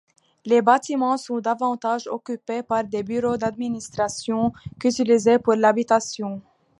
Les bâtiments sont davantage occupés par des bureaux d'administration qu'utilisés pour l'habitation.